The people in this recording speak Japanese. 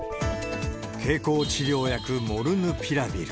経口治療薬、モルヌピラビル。